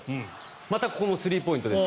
またこのスリーポイントです。